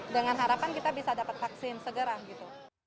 dengan harapan kita bisa dapat vaksin segera gitu